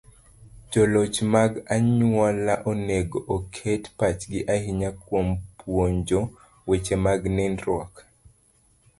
Joloch mag anyuola onego oket pachgi ahinya kuom puonjo weche mag nindruok.